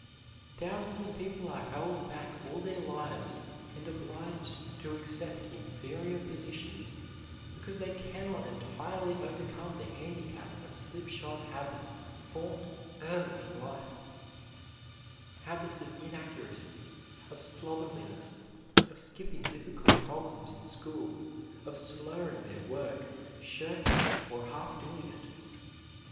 Thousands of people are held back all their lives and obliged to accept inferior positions because they cannot entirely overcome the handicap of slipshod habits formed early in life, habits of inaccuracy, of slovenliness, of skipping difficult problems in school, of slurring their work, shirking, or half doing it.